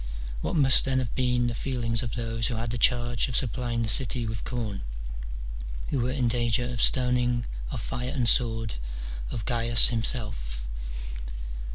What must then have been the feelings of those who had the charge of supplying the city with corn, who were in danger of stoning, of fire and sword, of Gains himself